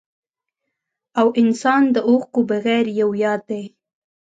او انسان د اوښکو بغير يو ياد دی